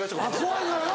怖いからな。